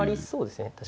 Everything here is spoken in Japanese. そうですね。